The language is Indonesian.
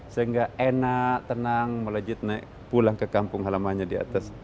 sehingga enak tenang melejit naik pulang ke kampung halamannya di atas